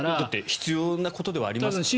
必要なことではありますからね。